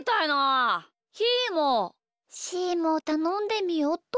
しーもたのんでみよっと。